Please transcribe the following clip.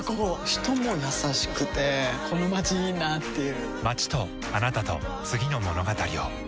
人も優しくてこのまちいいなぁっていう